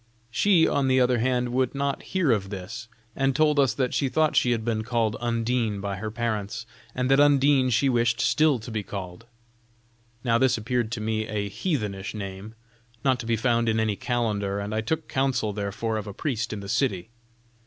She, on the other hand, would not hear of this, and told us that she thought she had been called Undine by her parents, and that Undine she wished still to be called. Now this appeared to me a heathenish name, not to be found in any calendar, and I took counsel therefore of a priest in the city.